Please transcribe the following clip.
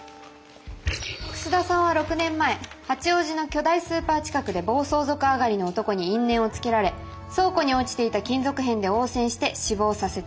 楠田さんは６年前八王子の巨大スーパー近くで暴走族上がりの男に因縁をつけられ倉庫に落ちていた金属片で応戦して死亡させた。